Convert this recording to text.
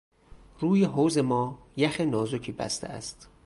روی حوض ما یخ نازکی بسته است.